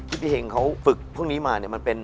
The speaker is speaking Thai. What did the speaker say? พิเภงเขาฝึกพวกนี้มา